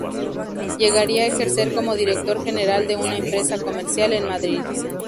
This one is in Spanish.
Llegaría a ejercer como director general de una empresa comercial en Madrid.